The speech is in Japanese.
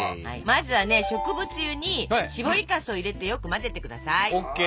まずはね植物油にしぼりかすを入れてよく混ぜて下さい。